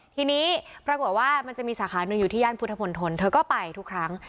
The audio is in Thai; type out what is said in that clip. ทีนี้ปรากฏว่ามันจะมีสาขาหนึ่งอยู่ที่ย่านพุทธมนตรเธอก็ไปทุกครั้ง